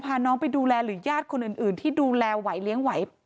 พาน้องไปดูแลหรือญาติคนอื่นที่ดูแลไหวเลี้ยงไหว